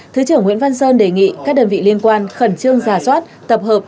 thứ trưởng nguyễn văn sơn đề nghị các đơn vị liên quan khẩn trương giả soát tập hợp